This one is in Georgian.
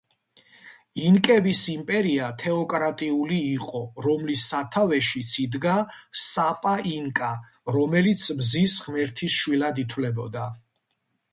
ინკების იმპერია თეოკრატიული იყო, რომლის სათავეშიც იდგა საპა ინკა, რომელიც მზის ღმერთის შვილად ითვლებოდა.